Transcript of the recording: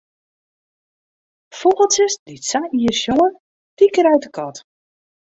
Fûgeltsjes dy't sa ier sjonge, dy krijt de kat.